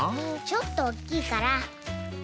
ちょっとおっきいから。